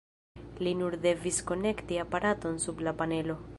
Li nur devis konekti aparaton sub la panelo.